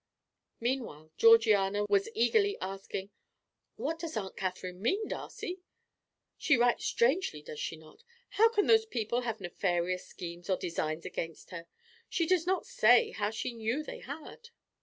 Meanwhile Georgiana was eagerly asking: "What does Aunt Catherine mean, Darcy? She writes strangely, does she not? How can those people have nefarious schemes or designs against her? She does not say how she knew they had."